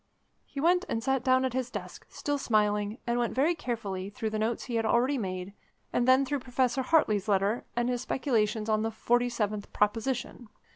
He went and sat down at his desk, still smiling, and went very carefully through the notes he had already made, and then through Professor Hartley's letter, and his speculations on the Forty Seventh Proposition.